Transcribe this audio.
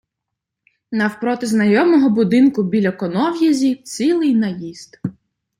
Навпроти знайомого будинку біля конов'язі - цілий наїзд.